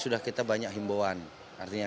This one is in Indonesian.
sudah kita banyak himbauan artinya